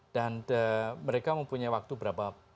dan mereka mempunyai waktu berapa